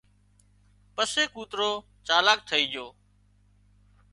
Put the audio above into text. پسي ڪوترو چالاڪ ٿئي جھو